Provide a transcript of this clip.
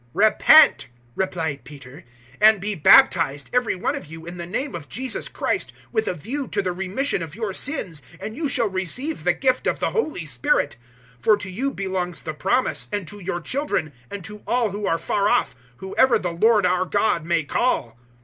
002:038 "Repent," replied Peter, "and be baptized, every one of you, in the name of Jesus Christ, with a view to the remission of your sins, and you shall receive the gift of the Holy Spirit. 002:039 For to you belongs the promise, and to your children, and to all who are far off, whoever the Lord our God may call."